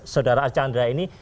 saudara arjanda ini